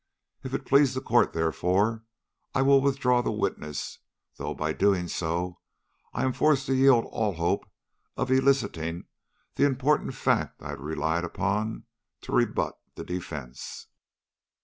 If it please the Court, therefore, I will withdraw the witness, though by so doing I am forced to yield all hope of eliciting the important fact I had relied upon to rebut the defence."